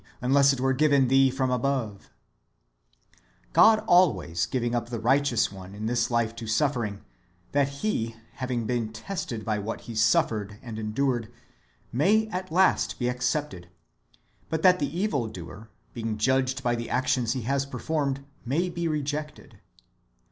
unless it were given thee from above ;"^ God always giving up the righteous one [in this life to suffering], that he, having been tested by what he suffered and endured, may [at last] be accepted; but that the evil doer, being judged by the actions he has performed, may be rejected.